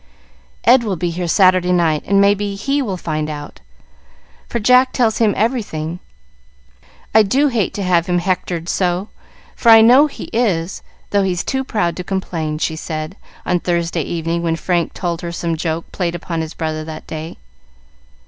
"Ed will be here Saturday night and may be he will find out, for Jack tells him everything. I do hate to have him hectored so, for I know he is, though he's too proud to complain," she said, on Thursday evening, when Frank told her some joke played upon his brother that day.